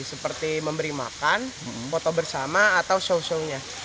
seperti memberi makan foto bersama atau show show nya